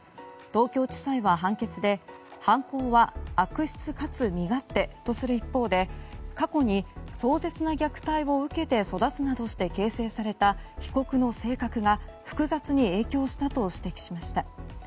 東京地裁は判決で犯行は悪質かつ身勝手とする一方で過去に壮絶な虐待を受けて育つなどして形成された被告の性格が複雑に影響したと指摘しました。